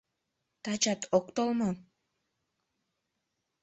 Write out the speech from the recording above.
Тачат ок тол мо?